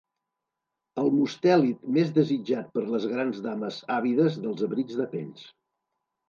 El mustèlid més desitjat per les grans dames àvides dels abrics de pells.